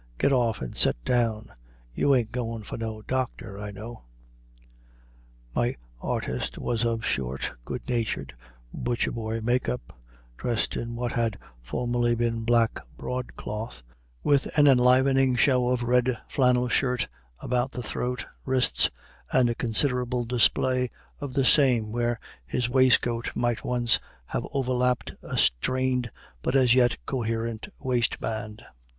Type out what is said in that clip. Get off and set down. You ain't going for no doctor, I know." My artist was of short, good natured, butcher boy make up, dressed in what had formerly been black broadcloth, with an enlivening show of red flannel shirt about the throat, wrists, and a considerable display of the same where his waistcoat might once have overlapped a strained but as yet coherent waistband.